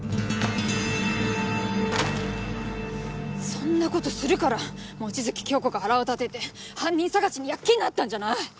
そんな事するから望月京子が腹を立てて犯人捜しに躍起になったんじゃない！